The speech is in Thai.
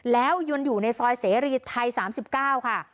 แล้วยนอยู่ในซอยซีรีดไทยสามสิบเก้าคะ